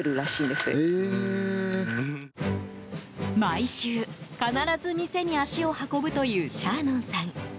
毎週、必ず店に足を運ぶというシャーノンさん。